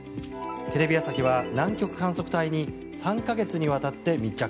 テレビ朝日は南極観測隊に３か月にわたって密着。